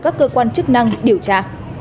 các cơ quan chức năng điều tra